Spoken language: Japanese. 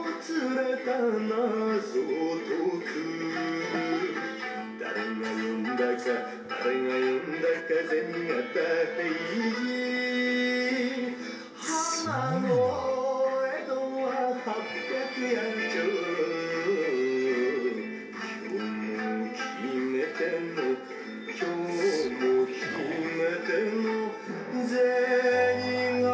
すごいな。